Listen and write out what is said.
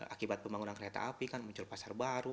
akibat pembangunan kereta api kan muncul pasar baru